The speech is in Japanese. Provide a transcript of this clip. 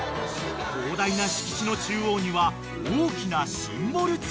［広大な敷地の中央には大きな］